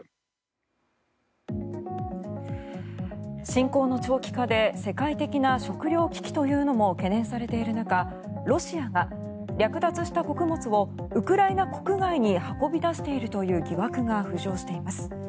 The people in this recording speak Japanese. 侵攻の長期化で世界的な食糧危機というのも懸念されている中ロシアが略奪した穀物をウクライナ国外に運び出しているという疑惑が浮上しています。